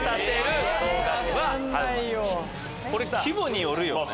これ規模によるよね。